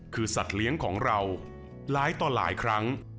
คือสัตว์เลี้ยงของเราหลายต่อหลายครั้ง